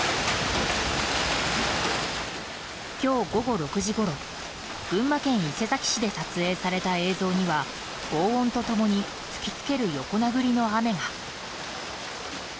今日午後６時ごろ群馬県伊勢崎市で撮影された映像には轟音と共に吹き付ける横殴りの雨が。